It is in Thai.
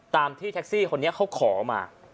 ตามที่แท็กซี่คนนี้เขาขอมา